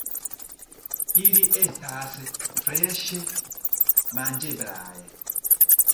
Ili estas freŝe manĝeblaj.